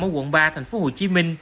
ở quận ba tp hcm